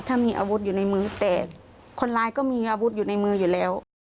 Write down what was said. ถ้ามีอาวุธอยู่ในมือแต่คนร้ายก็มีอาวุธอยู่ในมืออยู่แล้ว